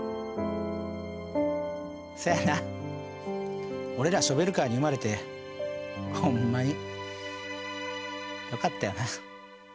そやな俺らショベルカーに生まれてホンマによかったよな。